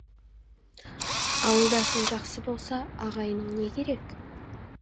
Ауылдасың жақсы болса, ағайының не керек!